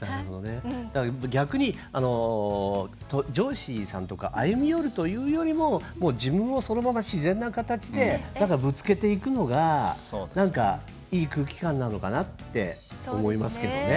逆に上司さんとか歩み寄るというよりももう自分を、そのまま自然な形でぶつけていくのがなんか、いい空気感なのかなって思いますけどね。